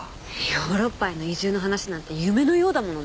ヨーロッパへの移住の話なんて夢のようだものね。